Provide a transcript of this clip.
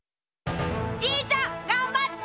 じいちゃんがんばって！